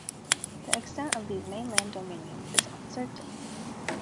The extent of these mainland dominions is uncertain.